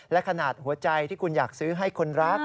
และขนาดหัวใจที่คุณอยากซื้อให้คนรัก